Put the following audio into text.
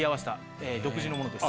独自のものです。